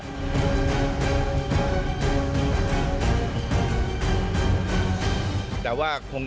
มันไม่ใช่แบบนั้น